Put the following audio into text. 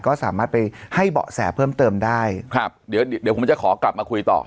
ก็สามารถไปให้เบาะแสเพิ่มเติมได้ครับเดี๋ยวเดี๋ยวผมจะขอกลับมาคุยต่อ